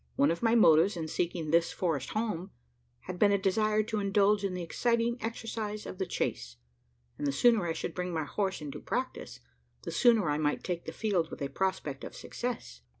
One of my motives, in seeking this forest home, had been a desire to indulge in the exciting exercise of the chase; and the sooner I should bring my horse into practice, the sooner I might take the field with a prospect of success.